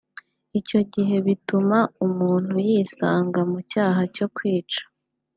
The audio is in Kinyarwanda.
icyo gihe bituma umuntu yisanga mu cyaha cyo kwica